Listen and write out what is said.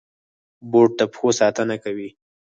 بوټ د پښو ساتنه کوي.